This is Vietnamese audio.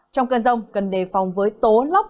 trong cơn rông cần đề phòng với tố lóc